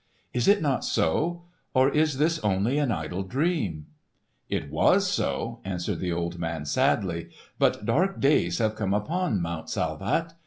Is it not so; or is this only an idle dream?" "It was so," answered the old man sadly, "but dark days have come upon Mount Salvat.